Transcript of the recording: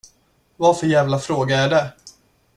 Vad för jävla fråga är det?